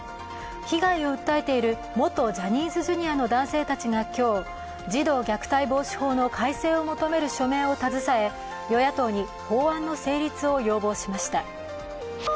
被害を訴えている元ジャニーズＪｒ．の男性たちが今日、児童虐待防止法の改正を求める署名を携え与野党に法案の成立を要望しました。